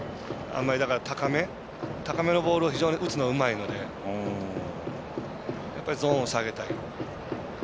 高めのボールを非常に打つのがうまいのでゾーンを下げたい。